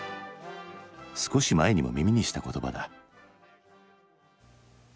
少し前にも耳にした言葉だ。